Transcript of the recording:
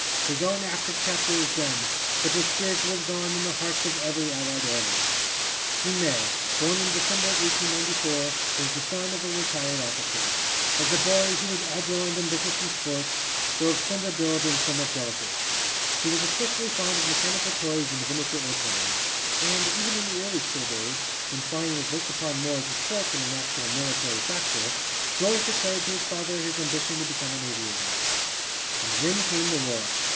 His own active chapter is done, but his spirit lives on in the hearts of every allied airman. Guynemer, born in December, 1894, was the son of a retired officer. As a boy he was agile and ambitious in sports, though of slender build and somewhat delicate. He was especially fond of mechanical toys and miniature airplanes, and even in the early school days, when flying was looked upon more as a sport than an actual military factor, Georges declared to his father his ambition to become an aviator. [Illustration: GUYNEMER AT TEN YEARS OF AGE] And then came the war.